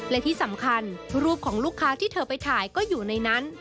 และที่สำคัญรูปของลูกค้าที่เธอไปถ่ายก็อยู่ในนั้น